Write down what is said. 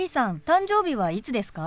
誕生日はいつですか？